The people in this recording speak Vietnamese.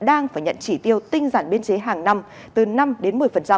đang phải nhận chỉ tiêu tinh giản biên chế hàng năm từ năm đến một mươi